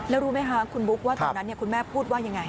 แล้วรู้ไหมคะคุณบุ๊คว่าตอนนั้นคุณแม่พูดว่ายังไง